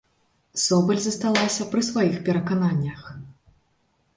Собаль засталася пры сваіх перакананнях.